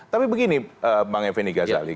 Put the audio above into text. tapi begini bang effendi ghazali